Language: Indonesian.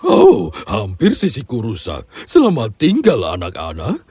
oh hampir sisiku rusak selama tinggal anak anak